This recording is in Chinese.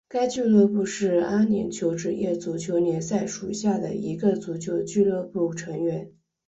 该俱乐部是阿联酋职业足球联赛属下的一个足球俱乐部成员。